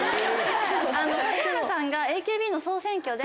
指原さんがＡＫＢの総選挙で。